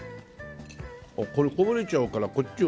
これこぼれちゃうからこっちを。